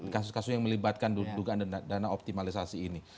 kasus kasus yang melibatkan dugaan dana optimalisasi ini